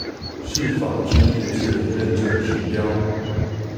是紡織業界的認證指標